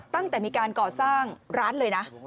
ตั้งแต่มีการก่อสร้างร้านเลยนะ